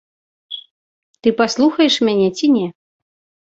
Ты паслухаеш мяне ці не?